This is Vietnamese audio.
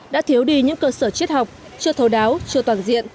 đã thiếu đi những cơ sở triết học chưa thấu đáo chưa toàn diện